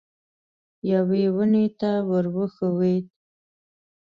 یوې ونې ته ور وښوېد.